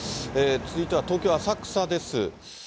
続いては東京・浅草です。